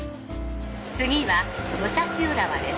次は武蔵浦和です。